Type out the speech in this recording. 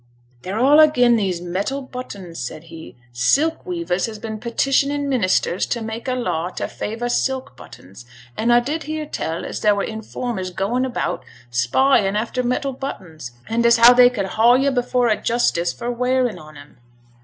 'They're all again these metal buttons,' said he. 'Silk weavers has been petitioning Ministers t' make a law to favour silk buttons; and I did hear tell as there were informers goin' about spyin' after metal buttons, and as how they could haul yo' before a justice for wearing on 'em.'